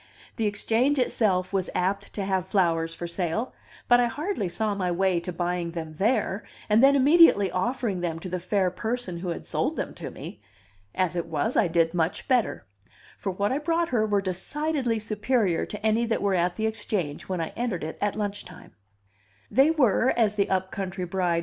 The Exchange itself was apt to have flowers for sale, but I hardly saw my way to buying them there, and then immediately offering them to the fair person who had sold them to me. As it was, I did much better; for what I brought her were decidedly superior to any that were at the Exchange when I entered it at lunch time.